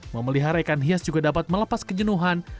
memelihara ikan hias juga dapat melepas kejenuhan